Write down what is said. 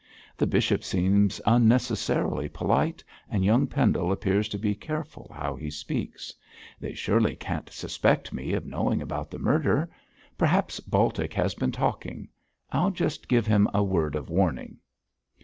'The bishop seems unnecessarily polite, and young Pendle appears to be careful how he speaks. They surely can't suspect me of knowing about the murder. Perhaps Baltic has been talking; I'll just give him a word of warning.'